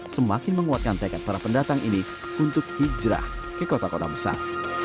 semakin menguatkan tekad para pendatang ini untuk hijrah ke kota kota besar